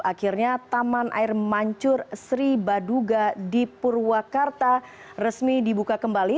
akhirnya taman air mancur sri baduga di purwakarta resmi dibuka kembali